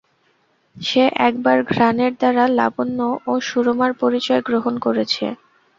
সে একবার ঘ্রাণের দ্বারা লাবণ্য ও সুরমার পরিচয় গ্রহণ করেছে।